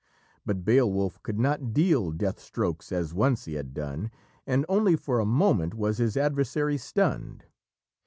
But Beowulf could not deal death strokes as once he had done, and only for a moment was his adversary stunned.